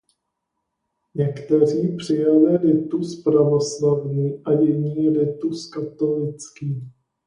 Někteří přijali ritus pravoslavný a jiní ritus katolický.